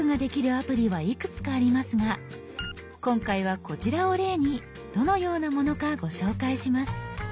アプリはいくつかありますが今回はこちらを例にどのようなものかご紹介します。